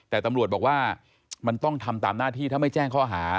แต่ตำรวจบอกว่ามันต้องทำตามหน้าที่ถ้าไม่แจ้งข้อหา